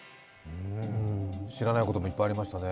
知らないこともいっぱいありましたね。